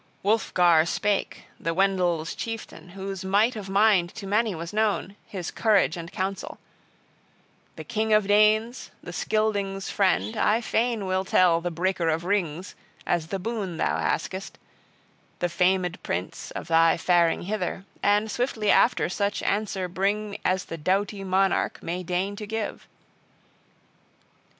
Wulfgar spake, the Wendles' chieftain, whose might of mind to many was known, his courage and counsel: "The king of Danes, the Scyldings' friend, I fain will tell, the Breaker of Rings, as the boon thou askest, the famed prince, of thy faring hither, and, swiftly after, such answer bring as the doughty monarch may deign to give."